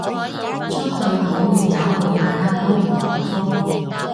出去搗亂搞到大家都唔幸福